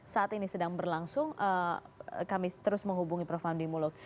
saat ini sedang berlangsung kami terus menghubungi prof hamdi muluk